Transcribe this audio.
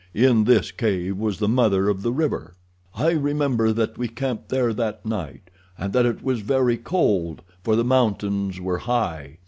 In this cave was the mother of the river. "I remember that we camped there that night, and that it was very cold, for the mountains were high.